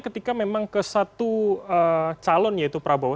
ketika memang ke satu calon yaitu prabowo